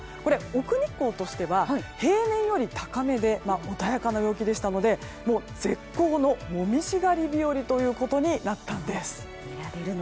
奥日光としては平年より高めで穏やかな陽気でしたので絶好の紅葉狩り日和となったんです。